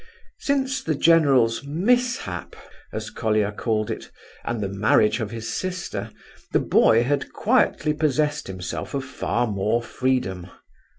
Since the general's "mishap," as Colia called it, and the marriage of his sister, the boy had quietly possessed himself of far more freedom.